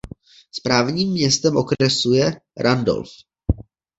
Správním městem okresu je Randolph.